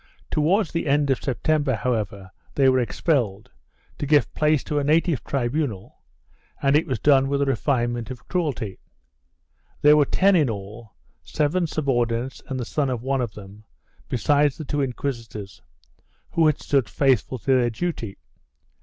1 Towards the end of September, however, they were expelled, to give place to a native tribunal, and it was done with a refinement of cruelty. There were ten in all — seven subordinates and the son of one of them, besides the two inquisitors — who had stood faithful to their duty.